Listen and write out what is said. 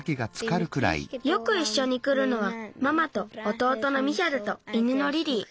よくいっしょにくるのはママとおとうとのミヒャルと犬のリリー。